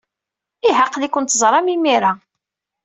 Ihi aql-iken teẓram imir-a.